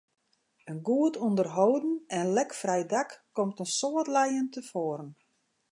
In goed ûnderholden en lekfrij dak komt in soad lijen tefoaren.